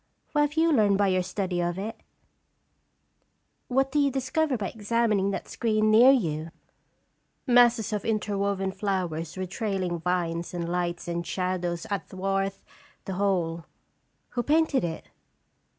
" What have you learned by your study of it?" "What do you discover by examining that screen near you?" " Masses of interwoven flowers with trailing vines and lights and shadows athwart the whole. Who painted it?"